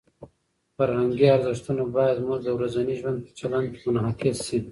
فرهنګي ارزښتونه باید زموږ د ورځني ژوند په چلند کې منعکس شي.